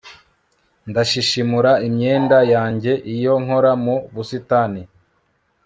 Ndashishimura imyenda yanjye iyo nkora mu busitani